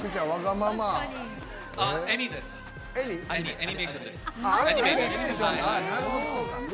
アニメーションです。